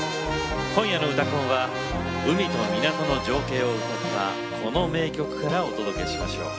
今夜の「うたコン」は海と港の情景を歌ったこの名曲からお届けしましょう。